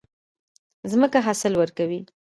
ځمکه حاصل ورکوي.